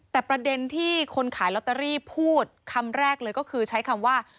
แต่ประเด็นที่คนขายลอตเตอรี่พูดคำแรกเลยก็คือใช้คำว่า